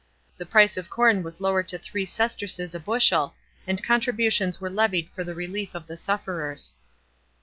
The price of corn was lowere 1 to three sesterces a bushel, and contributions were levied for the relief of the sufferers.